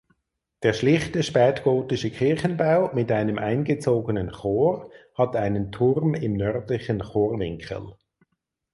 Der schlichte spätgotische Kirchenbau mit einem eingezogenen Chor hat einen Turm im nördlichen Chorwinkel.